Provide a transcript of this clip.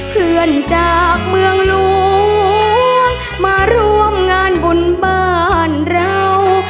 เพื่อนจากเมืองหลวงมาร่วมงานบุญบ้านเรา